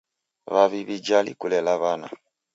W'avi w'ijali kulela w'ana.